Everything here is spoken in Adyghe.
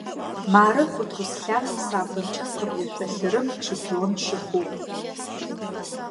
Мары Хъут Руслъан самбомкӀэ къыблэ шъолъырым чемпион щыхъугъ.